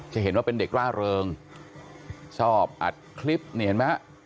จะเห็นว่าเป็นเด็กร่าเริงชอบอัดคลิปนี่เห็นไหมฮะ